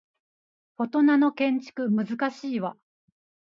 フォトナの建築難しいわ